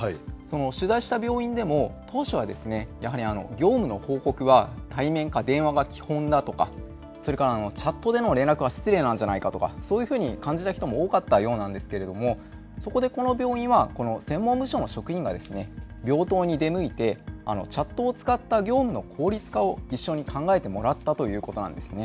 取材した病院でも、当初はやはり業務の報告は、対面か電話が基本だとか、それからチャットでの連絡は失礼なんじゃないかとか、そういうふうに感じた人も多かったようなんですけれども、そこでこの病院は、この専門部署の職員が病棟に出向いて、チャットを使った業務の効率化を一緒に考えてもらったということなんですね。